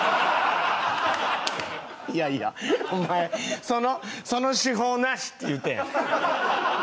いやいやお前その手法なしって言ったやん